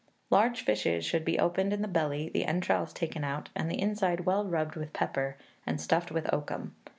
Large fishes should be opened in the belly, the entrails taken out, and the inside well rubbed with pepper, and stuffed with oakum.